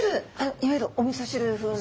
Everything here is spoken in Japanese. いわゆるおみそ汁風な？